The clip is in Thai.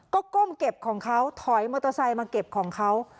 ก็ก้มเก็บของเขาถอยมอเตอร์ไซค์มาเก็บของเขา